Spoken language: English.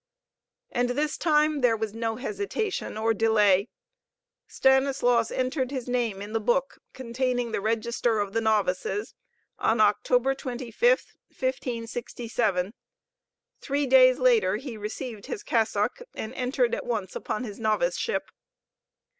And this time there was no hesitation or delay. Stanislaus entered his name in the book containing the register of the novices, on October 25, 1567. Three days later he received his cassock and entered at once upon his noviceship.